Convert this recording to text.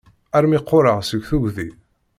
Armi qqureɣ seg tugdi!